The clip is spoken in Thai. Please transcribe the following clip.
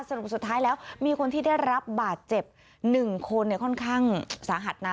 สรุปสุดท้ายแล้วมีคนที่ได้รับบาดเจ็บ๑คนค่อนข้างสาหัสนะ